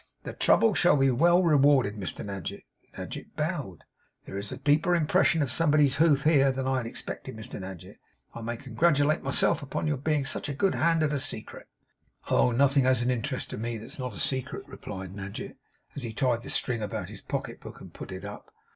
'The trouble shall be well rewarded, Mr Nadgett.' Nadgett bowed. 'There is a deeper impression of Somebody's Hoof here, than I had expected, Mr Nadgett. I may congratulate myself upon your being such a good hand at a secret.' 'Oh! nothing has an interest to me that's not a secret,' replied Nadgett, as he tied the string about his pocket book, and put it up.